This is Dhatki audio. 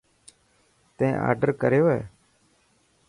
تين آڊر ڪريو هي.